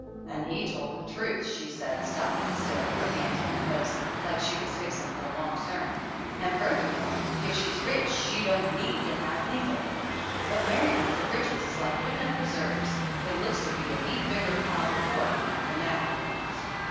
"An' he tol' the truth," she said, stopping still with her hands on her hips like she was fix ing for a long sermon. "An' furthermore, if she's rich she don't need to have neither. But marryin' for riches is like puttin' up preserves it looks to be a heap bigger pile beforehan' than afterwards.